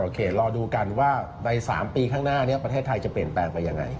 รอดูกันว่าใน๓ปีข้างหน้านี้ประเทศไทยจะเปลี่ยนแปลงไปยังไง